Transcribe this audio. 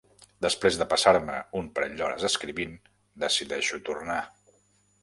Després de passar-me un parell d'hores escrivint, decideixo tornar.